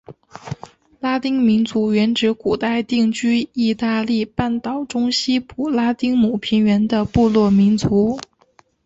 拉丁民族原指古代定居义大利半岛中西部拉丁姆平原的部落民族。